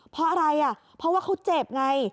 เพราะอะไรอ่ะเพราะว่าเขาเจ็บไง